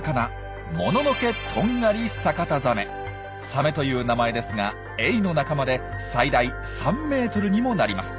サメという名前ですがエイの仲間で最大３ｍにもなります。